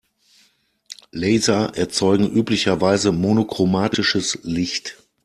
Laser erzeugen üblicherweise monochromatisches Licht.